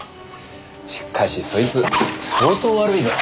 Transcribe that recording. しかしそいつ相当悪いぞ。